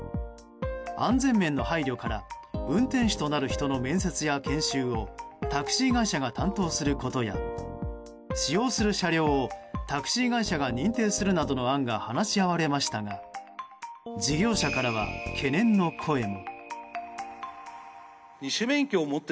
安全面の配慮から運転手となる人の面接や研修をタクシー会社が担当することや使用する車両をタクシー会社が認定するなどの案が話し合われましたが事業者からは懸念の声も。